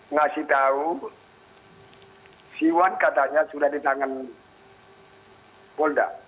ngasih tahu siwan katanya sudah di tangan polda